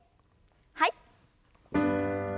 はい。